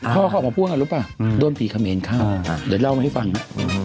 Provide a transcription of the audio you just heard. ข้อของผู้อ่ะรู้ป่ะโดนพีคเมนข้าวเดี๋ยวเล่ามาให้ฟังนะ